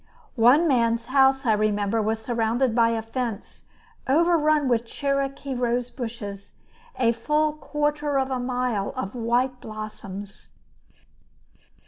One man's house, I remember, was surrounded by a fence overrun with Cherokee rosebushes, a full quarter of a mile of white blossoms.